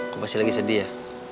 kau pasti lagi sedih ya